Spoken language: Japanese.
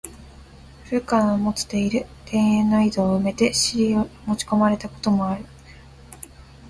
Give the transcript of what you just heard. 古川の持つて居る田圃の井戸を埋めて尻を持ち込まれた事もある。